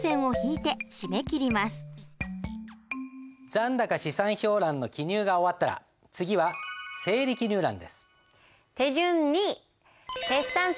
残高試算表欄の記入が終わったら次は整理記入欄です。